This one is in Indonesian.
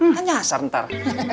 nanti asar ntar